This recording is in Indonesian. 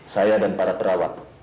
saya dan para perawat